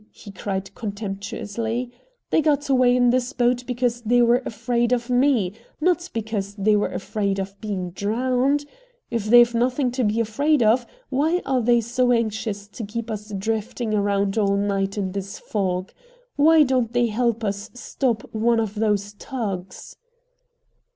he cried contemptuously; "they got away in this boat because they were afraid of ME, not because they were afraid of being drowned. If they've nothing to be afraid of, why are they so anxious to keep us drifting around all night in this fog? Why don't they help us stop one of those tugs?"